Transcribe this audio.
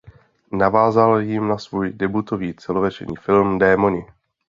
Navázal jím na svůj debutový celovečerní film Démoni.